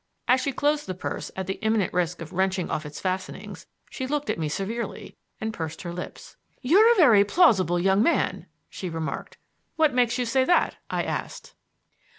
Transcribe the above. As she closed the purse at the imminent risk of wrenching off its fastenings she looked at me severely and pursed her lips. "You're a very plausible young man," she remarked. "What makes you say that?" I asked.